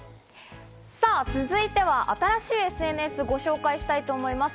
さぁ、続いては新しいＳＮＳをご紹介したいと思います。